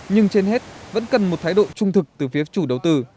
nhưng trên hết vẫn cần một thái độ trung thực từ phía chủ đầu tư